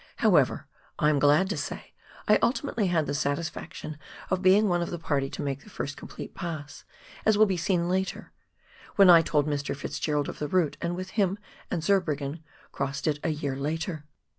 However, I am glad to say I ultimately had the satisfaction of being one of the party to make the first complete pass, as will be seen later, when I told Mr. Fitz Gerald of the route, and with him and Zurbriggen crossed it a year later.